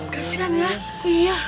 kasian kasian ya